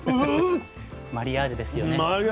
マリアージュですよね。